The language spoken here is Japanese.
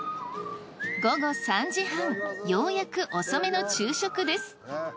午後３時半ようやく遅めの昼食です。